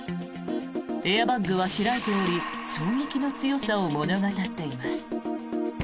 エアバッグは開いており衝撃の強さを物語っています。